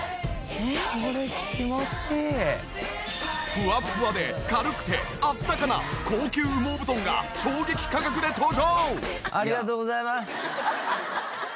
フワッフワで軽くてあったかな高級羽毛布団が衝撃価格で登場！